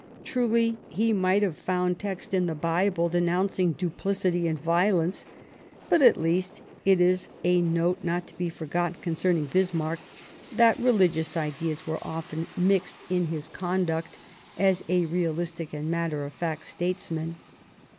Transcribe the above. Truly, he might have found texts in the Bible denouncing duplicity and vio lence ; but, at least, it is a note not to be forgotten concerning Bismarck, that religious ideas were often mixed in his conduct as a realistic and matter of fact statesman.